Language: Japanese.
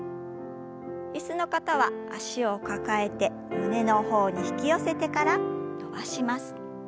椅子の方は脚を抱えて胸の方に引き寄せてから伸ばします。